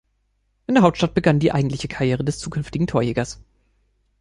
In der Hauptstadt begann die eigentliche Karriere des zukünftigen Torjägers.